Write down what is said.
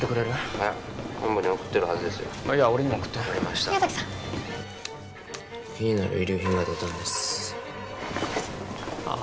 ☎いや本部に送ってるはずですよいや俺にも送って☎分かりました気になる遺留品が出たんですああ